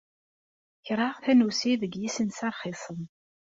Keṛheɣ tanusi deg yisensa rxisen.